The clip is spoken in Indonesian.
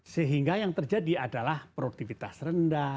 sehingga yang terjadi adalah produktivitas rendah